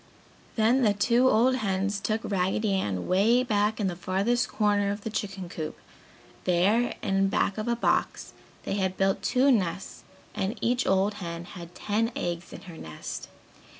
Then the two old hens took Raggedy Ann 'way back in the farthest corner of the chicken coop. There, in back of a box, they had built two nests and each old hen had ten eggs in her nest.